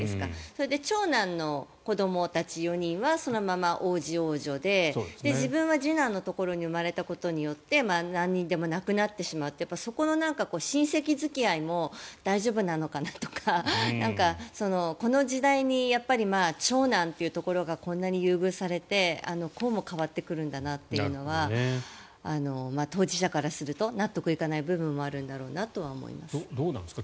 それで長男の子どもたち４人はそのまま王子、王女で自分は次男のところに生まれたことによってなんでもなくなってしまうというそこの親戚付き合いも大丈夫なのかなとかこの時代に長男というところがこんなに優遇されてこうも変わってくるんだなというのは当事者からすると納得いかない部分はあるんだろうなとは思います。